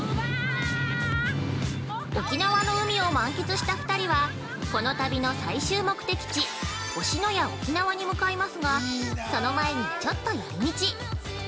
沖縄の海を満喫した２人はこの旅の最終目的地、星のや沖縄に向かいますが、その前にちょっと寄り道。